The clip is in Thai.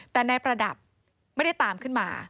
แต่นายประดับไม่ได้ตามขึ้นมา